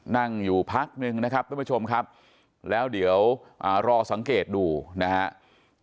นั่งอยู่พักนึงนะครับทุกผู้ชมครับแล้วเดี๋ยวรอสังเกตดูนะครับ